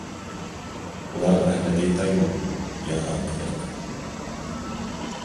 ئۇلارغا رەھمەت ئېيتايمۇ؟ ؟ ياق، ياق!